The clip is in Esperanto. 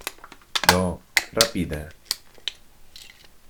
Do, rapide.